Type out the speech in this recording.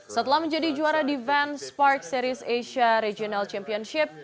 setelah menjadi juara defense park series asia regional championship